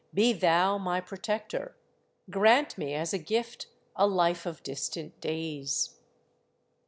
Be thou my protector. Grant me as a gift a life of distant days.